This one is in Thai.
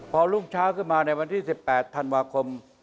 พอรุ่งเช้าขึ้นมาในวันที่๑๘ธันวาคม